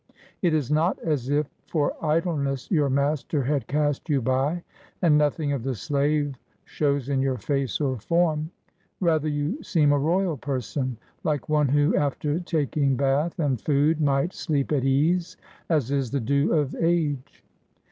It is not as if for idleness your master had cast you by, and nothing of the slave shows in your face or form. Rather you seem a royal person; like one who after taking bath and food might sleep at ease, as is the due of age.